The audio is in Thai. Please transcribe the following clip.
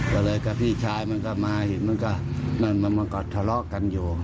ก็เลยกับพี่ชายมันก็มาเห็นมันก็นั่นมันก็ทะเลาะกันอยู่